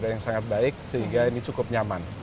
yang sangat baik sehingga ini cukup nyaman